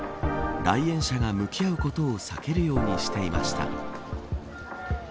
来園者が向き合うことを避けるようにしていました。